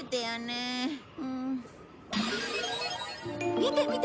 見て見て！